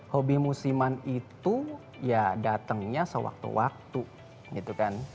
hobi musiman itu ya datangnya sewaktu waktu gitu kan